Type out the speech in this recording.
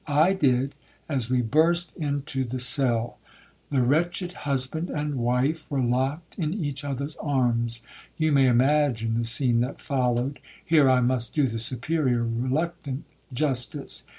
I did, as we burst into the cell. The wretched husband and wife were locked in each others arms. You may imagine the scene that followed. Here I must do the Superior reluctant justice.